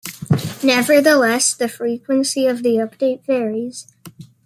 Nevertheless, the frequency of the update varies.